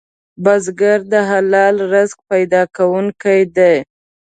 بزګر د حلال رزق پیدا کوونکی دی